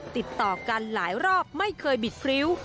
ติดต่อกันหลายรอบไม่เคยบิดพริ้ว